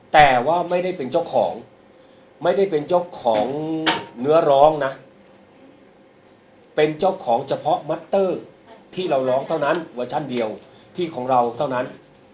แต่ว่าไม่ได้เป็นเจ้าของไม่ได้เป็นเจ้าของเนื้อร้องนะเป็นเจ้าของเฉพาะมัตเตอร์ที่เราร้องเท่านั้นเวอร์ชันเดียวที่ของเราเท่านั้น